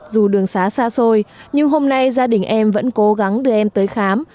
dù đường xá xa xôi nhưng hôm nay gia đình em vẫn cố gắng đưa em tới khám